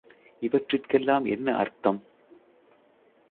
இவற்றிற்கெல்லாம் என்ன அர்த்தம்?